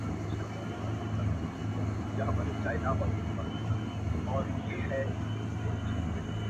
زړه دودومه زړه د حُسن و لمبو ته سپارم!!